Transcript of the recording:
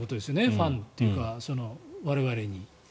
ファンというか、我々に。